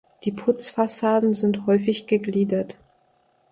Die Putzfassaden sind häufig gegliedert.